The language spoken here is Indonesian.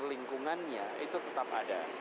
lingkungannya itu tetap ada